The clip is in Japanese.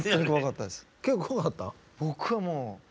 僕はもう。